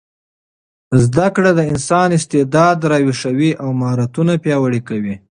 زده کړه د انسان استعداد راویښوي او مهارتونه پیاوړي کوي.